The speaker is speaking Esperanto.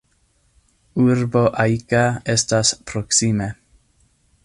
Urbo Ajka estas proksime.